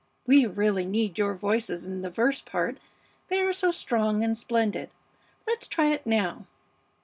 We really need your voices in the verse part, they are so strong and splendid. Let's try it now."